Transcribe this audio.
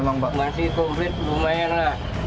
masih komplit lumayan lah